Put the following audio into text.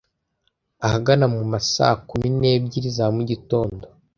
ahagana mu ma saa kumi n'ebyiri za mu gitondo